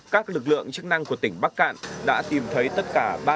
các lực lượng chức năng của tỉnh bắc cạn đã tìm thấy tất cả